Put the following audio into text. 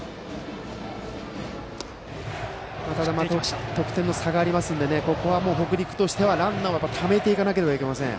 ただ得点差があるのでここは北陸としてはランナーをためていかなければなりません。